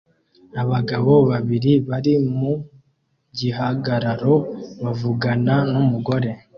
Abagabo babiri bari mu gihagararo bavugana numugore